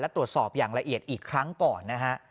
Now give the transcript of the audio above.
และตรวจสอบอย่างละเอียดอีกครั้งก่อนนะฮะ